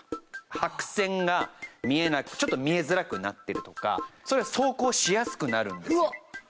白線がちょっと見えづらくなってるとかそれ走行しやすくなるんですよ。